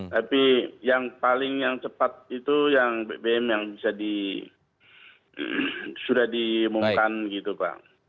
tapi yang paling yang cepat itu yang bbm yang bisa sudah diumumkan gitu pak